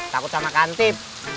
takut sama kantip